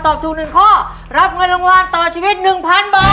ตอบทุกหนึ่งข้อรับเงินรางวาลต่อชีวิตหนึ่งพันบอร์ด